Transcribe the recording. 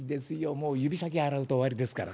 もう指先洗うと終わりですから」。